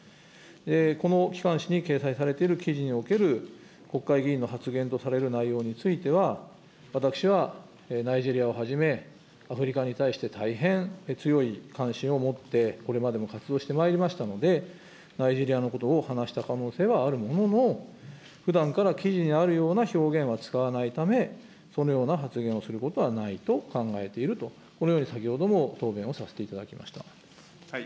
この機関誌に掲載されている記事における国会議員の発言とされる内容については、私はナイジェリアをはじめ、アフリカに対して、大変強い関心を持って、これまでも活動してまいりましたので、ナイジェリアのことを話した可能性はあるものの、ふだんから記事にあるような表現は使わないため、そのような発言をすることはないと考えていると、このように先ほ杉尾秀哉君。